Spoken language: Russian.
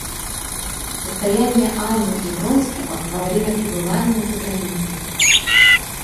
Состояние Анны и Вронского во время пребывания за границей.